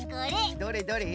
どれどれ？